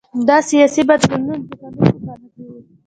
دا سیاسي بدلونونه د قانون په برخه کې وو